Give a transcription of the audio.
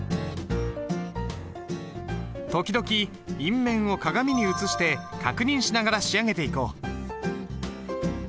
時々印面を鏡に映して確認しながら仕上げていこう。